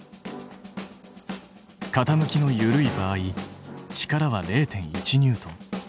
傾きの緩い場合力は０．１ニュートン。